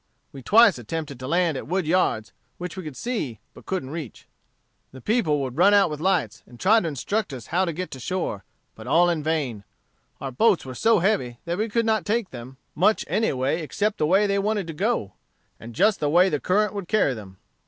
We twice attempted to land at Wood Yards, which we could see, but couldn't reach. "The people would run out with lights, and try to instruct us how to get to shore; but all in vain. Our boats were so heavy that we could not take them much any way except the way they wanted to go, and just the way the current would carry them.